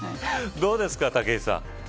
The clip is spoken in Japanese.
どうですか、武井さん。